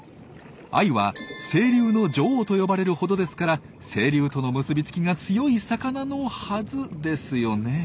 アユは「清流の女王」と呼ばれるほどですから清流との結びつきが強い魚のはずですよね。